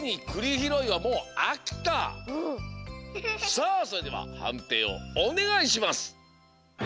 さあそれでははんていをおねがいします！